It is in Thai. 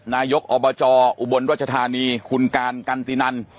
นายกอบจอุบลรัชธานีคุณการกันตินัน